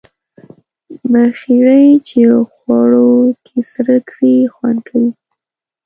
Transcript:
مرخیړي چی غوړو کی سره کړی خوند کوي